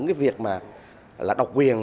cái việc là độc quyền